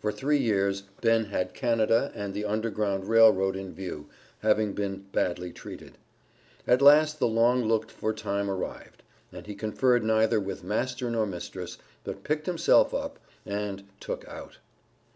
For three years Ben had Canada and the Underground Rail Road in view, having been "badly treated." At last the long looked for time arrived, and he conferred neither with master nor mistress, but "picked himself up" and "took out."